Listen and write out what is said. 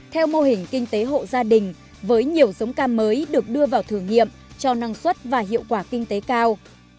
theo mô hình kinh tế hộ gia đình với nhiều giống cam mới được đưa vào thử nghiệm cho năng suất và hiệu quả kinh tế cao